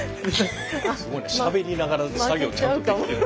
すごいなしゃべりながら作業ちゃんとできてる。